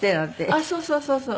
あっそうそうそうそう。